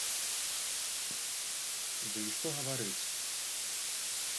Ды і што гаварыць!